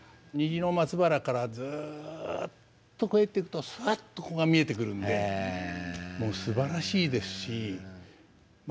虹の松原からずっと越えていくとスッとここが見えてくるんでもうすばらしいですし。